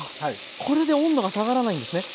これで温度が下がらないんですね。